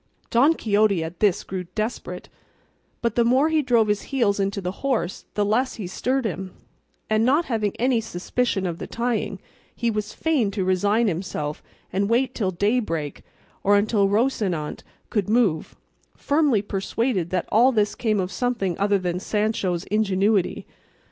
Don Quixote at this grew desperate, but the more he drove his heels into the horse, the less he stirred him; and not having any suspicion of the tying, he was fain to resign himself and wait till daybreak or until Rocinante could move, firmly persuaded that all this came of something other than Sancho's ingenuity.